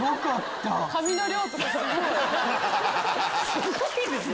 すごいですね。